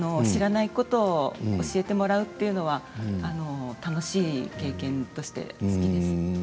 知らないことを教えてもらうっていうのは楽しい経験として好きです。